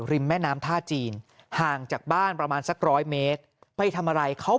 แม่น้ำท่าจีนห่างจากบ้านประมาณสักร้อยเมตรไปทำอะไรเขา